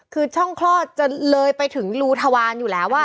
คือช่องคลอดจะเลยไปถึงรูทวารอยู่แล้ว